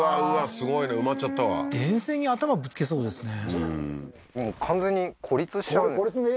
すごいね埋まっちゃったわ電線に頭ぶつけそうですね